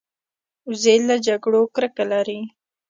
وزې له جګړو کرکه لري